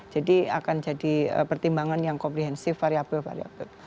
jadi akan jadi pertimbangan yang komprehensif variabel variabel